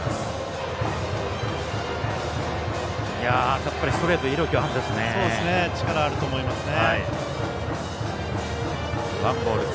やっぱりストレート威力あるんですね。